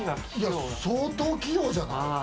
相当器用じゃない？